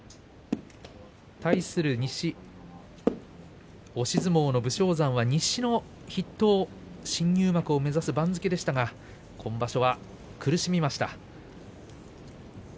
対する西、押し相撲の武将山は西の筆頭で新入幕を目指す番付でしたが今場所は苦しみました。